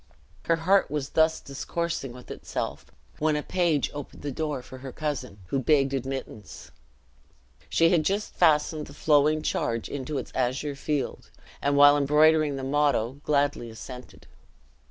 Her heart was thus discoursing with itself when a page opened the door for her cousin, who begged admittance. She had just fastened the flowing charge into its azure field, and while embroidering the motto, gladly assented.